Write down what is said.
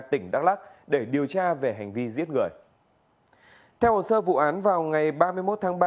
tỉnh đắk lắc để điều tra về hành vi giết người theo hồ sơ vụ án vào ngày ba mươi một tháng ba